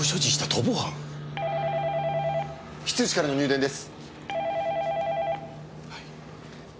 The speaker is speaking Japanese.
非通知からの入電です。